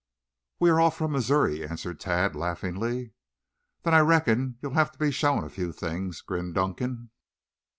"We are all from Missouri," answered Tad laughingly. "Then I reckon you'll have to be shown a few things," grinned Dunkan.